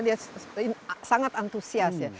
dia sangat antusias ya